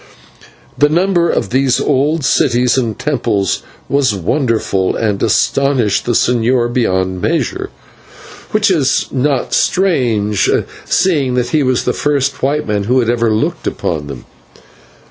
The number of these old cities and temples was wonderful, and astonished the señor beyond measure, which is not strange, seeing that he was the first white man who had ever looked upon them.